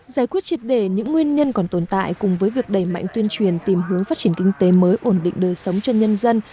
giải quyết triệt đề những nguyên nhân còn tồn tại cùng với việc đẩy mạnh tuyên truyền tìm hướng phát triển kinh tế mới ổn định đời sống cho nhân dân